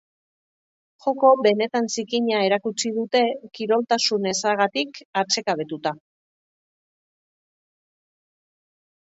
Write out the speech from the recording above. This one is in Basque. Joko benetan zikina erakutsi dute kiroltasun ezagatik atsekabetuta.